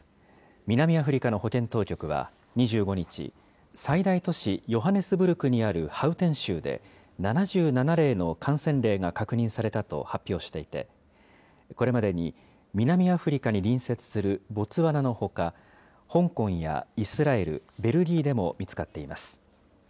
南アフリカの保健当局は２５日、最大都市ヨハネスブルクにあるハウテン州で、７７例の感染例が確認されたと発表していて、これまでに南アフリカに隣接するボツワナのほか、香港やイスラエル、ベルギーでも見つかっています。